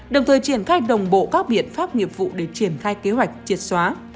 đồng thời triển khai đồng bộ các biện pháp nghiệp vụ để triển khai kế hoạch triệt xóa